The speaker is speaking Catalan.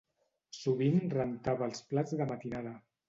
Sovint rentava els plats de matinada.